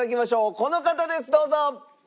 この方ですどうぞ！